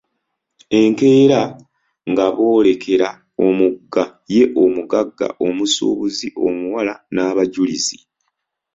"Enkeera nga boolekera omugga; ye omugagga, omusuubuzi, omuwala n’abajulizi."